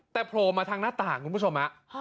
แต่โผล่มาทางหน้าต่างคุณผู้ชม